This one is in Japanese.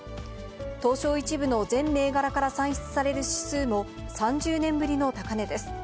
東証１部の全銘柄から算出された指数も、３０年ぶりの高値です。